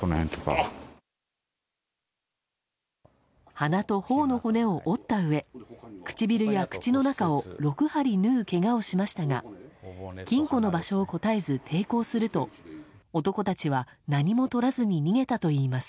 鼻と頬の骨を折ったうえ唇や口の中を６針縫うけがをしましたが金庫の場所を答えず抵抗すると男たちは何もとらずに逃げたといいます。